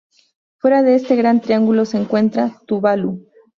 Fuera de este gran triángulo se encuentra Tuvalu.